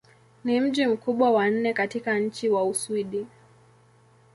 Ni mji mkubwa wa nne katika nchi wa Uswidi.